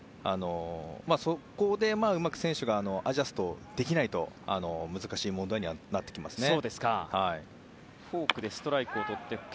そこでうまく選手がアジャストできないと難しい問題になってきますね。